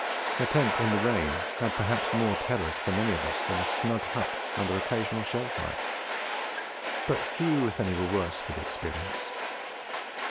A tent in the rain had perhaps more terrors for many of us than a snug hut under occasional shell fire; but few if any were the worse for the experience.